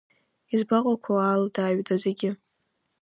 Избаҟақәоу алада аҩада зегьы?